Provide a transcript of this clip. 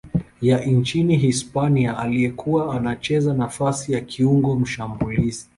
ya nchini Hispania aliyekuwa anacheza nafasi ya kiungo mshambuliaji.